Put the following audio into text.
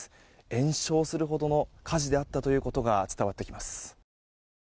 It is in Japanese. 延焼するほどの火事であったということが伝わってきます。